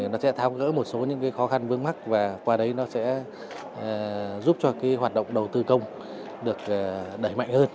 nó sẽ tháo gỡ một số những khó khăn vướng mắt và qua đấy nó sẽ giúp cho cái hoạt động đầu tư công được đẩy mạnh hơn